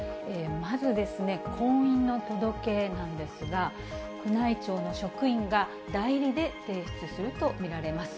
まず婚姻の届なんですが、宮内庁の職員が代理で提出すると見られます。